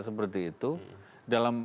seperti itu dalam